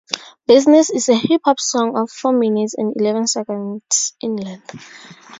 "Business" is a hip hop song of four minutes and eleven seconds in length.